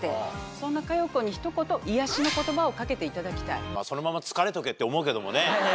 そんな佳代子にひと言癒やしの言葉をかけていただきたい。って思うけどもね。